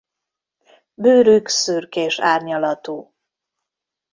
Bőrük szürkés árnyalatú.